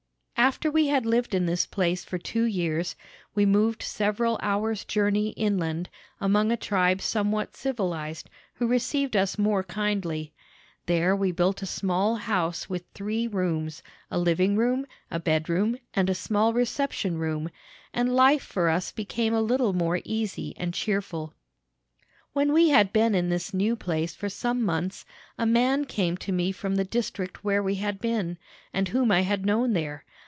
"After we had lived in this place for two years, we moved several hours' journey inland, among a tribe somewhat civilized, who received us more kindly. There we built a small house with three rooms, a living room, a bedroom, and a small reception room, and life for us became a little more easy and cheerful. "When we had been in this new place for some months, a man came to me from the district where we had been, and whom I had known there.